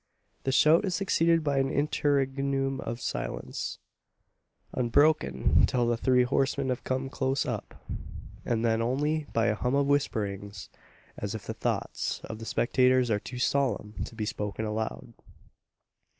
The shout is succeeded by an interregnum of silence unbroken, till the three horsemen have come close up; and then only by a hum of whisperings, as if the thoughts of the spectators are too solemn to be spoken aloud.